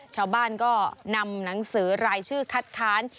ชาวบ้านก็นำหนังสือรายชื่อคัดค้าน